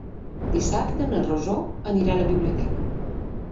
Dissabte na Rosó anirà a la biblioteca.